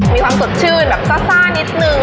มีความสดชื่นแบบซ่านิดนึง